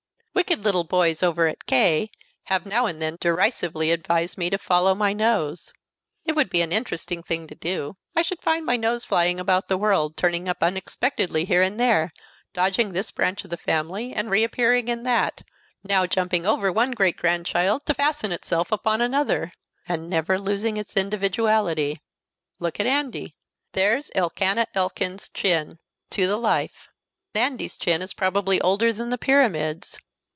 Wicked little boys over at K have now and then derisively advised me to follow my nose. It would be an interesting thing to do. I should find my nose flying about the world, turning up unexpectedly here and there, dodging this branch of the family and reappearing in that, now jumping over one great grandchild to fasten itself upon another, and never losing its individuality. Look at Andy. There's Elkanah Elkins's chin to the life. Andy's chin is probably older than the Pyramids.